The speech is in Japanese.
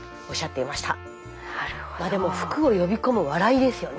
まあでも福を呼び込む笑いですよね。